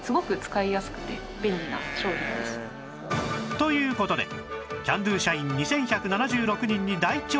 という事でキャンドゥ社員２１７６人に大調査